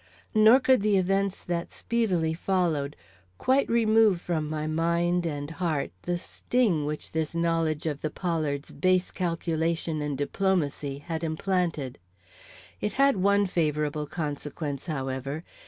Nor could the events that speedily followed quite remove from my mind and heart the sting which this knowledge of the Pollards' base calculation and diplomacy had implanted. It had one favorable consequence, however.